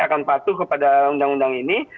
akan patuh kepada undang undang ini